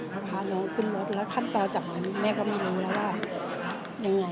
พาเนาะขึ้นรถแล้วขั้นตอจากนั้นแม่ก็ไม่รู้แบบว่าอย่างไง